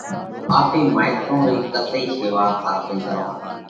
آپي مائيترون رئي ڪتئِي شيوا ساڪرئِي ڪرونه؟